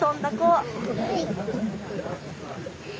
はい！